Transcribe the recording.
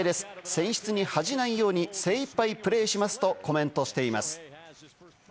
選出に恥ないように精いっぱいプレーしますとコメントしています。